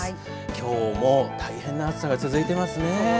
きょうも大変な暑さが続いていますね。